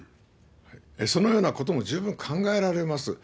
そのようなことも十分考えられます。